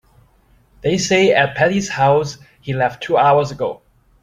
They say at Patti's house he left two hours ago.